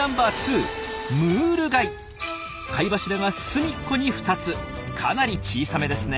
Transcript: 貝柱が隅っこに２つかなり小さめですね。